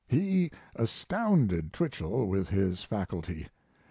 He astounded Twichell with his faculty.